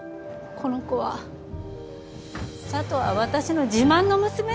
この子は佐都は私の自慢の娘です。